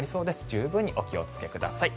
十分にお気をつけください。